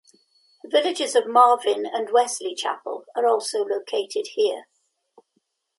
The villages of Marvin and Wesley Chapel are also located here.